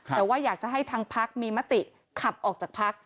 แต่ว่าอยากจะให้ทางพักมีมติขับออกจากพัก